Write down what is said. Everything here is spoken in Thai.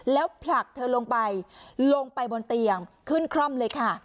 แล้วผลักเธอลงไปลงไปบนเตียงขึ้นคร่อมเลยค่ะ